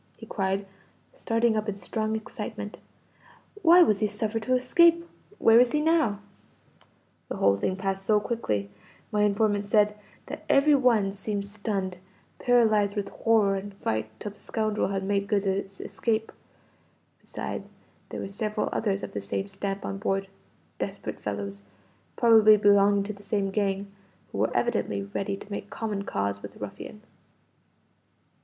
he cried, starting up in strong excitement. "Why was he suffered to escape? Where is he now?" "The whole thing passed so quickly, my informant said, that every one seemed stunned, paralyzed with horror and fright till the scoundrel had made good his escape; beside there were several others of the same stamp on board desperate fellows, probably belonging to the same gang who were evidently ready to make common cause with the ruffian.